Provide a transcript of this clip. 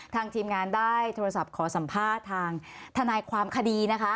ทีมงานได้โทรศัพท์ขอสัมภาษณ์ทางทนายความคดีนะคะ